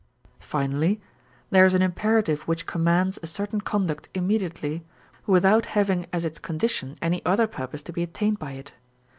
Finally, there is an imperative which commands a certain conduct immediately, without having as its condition any other purpose to be attained by it.